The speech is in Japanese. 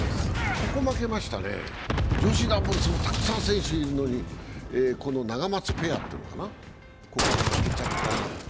ここ、負けましたね、女子ダブルスもたくさん選手がいるのにこのナガマツペアというのかな、ここは負けちゃったな。